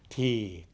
thì cần giải pháp